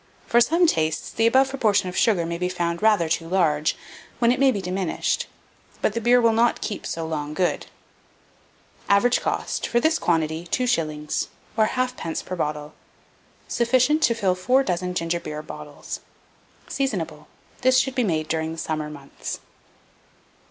For some tastes, the above proportion of sugar may be found rather too large, when it may be diminished; but the beer will not keep so long good. Average cost for this quantity, 2s.; or 1/2d. per bottle. Sufficient to fill 4 dozen ginger beer bottles. Seasonable. This should be made during the summer months.